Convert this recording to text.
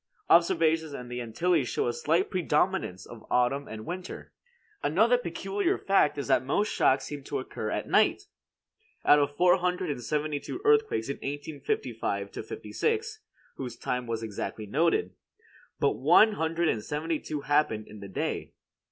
Observations in the Antilles show a slight predominance of autumn and winter. Another peculiar fact is that most shocks seem to occur at night. Out of four hundred and seventy two earthquakes in 1855 56, whose time was exactly noted, but one hundred and seventy two happened in the day.